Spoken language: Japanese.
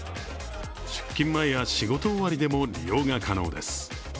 出勤前や仕事終わりでも利用が可能です。